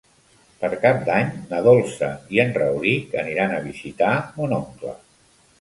Per Cap d'Any na Dolça i en Rauric aniran a visitar mon oncle.